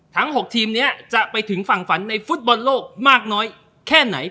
๖ทีมนี้จะไปถึงฝั่งฝันในฟุตบอลโลกมากน้อยแค่ไหน